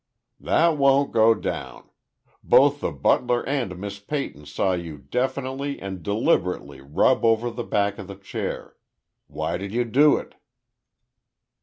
"That won't go down. Both the butler and Miss Peyton saw you definitely and deliberately rub over the back of that chair. Why did you do it?"